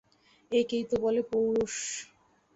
একেই তো বলে পৌরুষ।